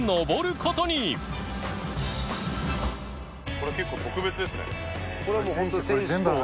これ結構特別ですね。